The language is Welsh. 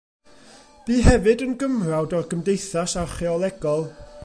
Bu hefyd yn Gymrawd o'r Gymdeithas Archeolegol.